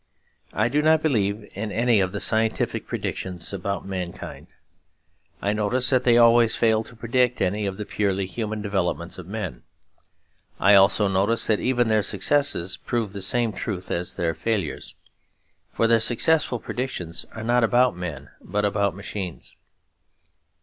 I do not believe in any of the scientific predictions about mankind; I notice that they always fail to predict any of the purely human developments of men; I also notice that even their successes prove the same truth as their failures; for their successful predictions are not about men but about machines.